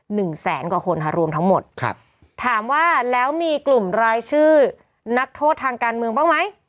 หนึ่งแสนกว่าคนค่ะรวมทั้งหมดครับถามว่าแล้วมีกลุ่มรายชื่อนักโทษทางการเมืองบ้างไหม